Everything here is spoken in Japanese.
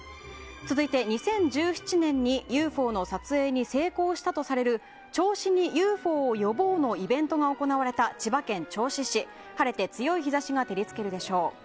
続いて２０１７年にＵＦＯの撮影に成功したとされる銚子にＵＦＯを呼ぼうのイベントが行われた千葉県銚子市、晴れて強い日差しが照り付けるでしょう。